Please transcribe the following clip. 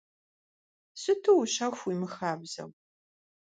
Сыту ущэху, уимыхабзэу.